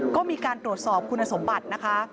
ก็มีการตรวจสอบคุณสมบัตินะคะ